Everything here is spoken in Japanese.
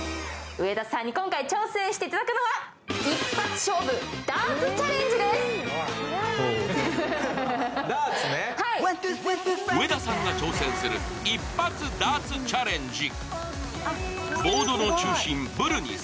上田さんに今回挑戦していただくのは上田さんが挑戦する一発ダーツチャレンジ。